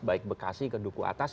baik bekasi ke duku atas